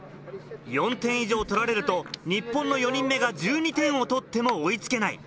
４点以上取られると日本の４人目が１２点を取っても追いつけない。